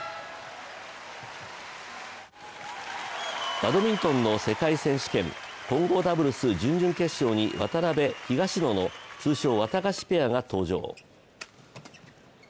バドミントンの世界選手権混合ダブルス準々決勝に渡辺・東野の通称、ワタガシペアが登場。